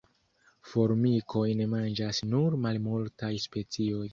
Formikojn manĝas nur malmultaj specioj.